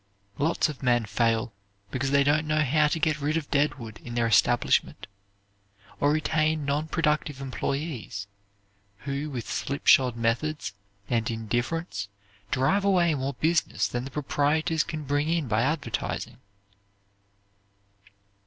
Lots of men fail because they don't know how to get rid of deadwood in their establishment, or retain non productive employees, who with slip shod methods, and indifference drive away more business than the proprietors can bring in by advertising.